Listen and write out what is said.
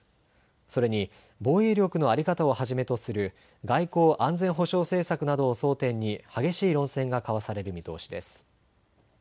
それに防衛力の在り方をはじめとする外交・安全保障政策などを争点に激しい論戦が交わされる見通しです。